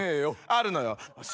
あるのよ。